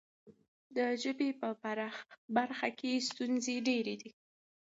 د ژبې په برخه کې ستونزې ډېرې دي.